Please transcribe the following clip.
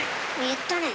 言ったね。